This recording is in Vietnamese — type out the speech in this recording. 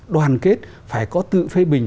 đoàn kết phải có tự phê bình